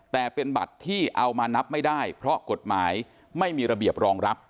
แต่เป็นบัตรที่เอามานับไม่ได้เพราะกฎหมายไม่มีระเบียบรองรับ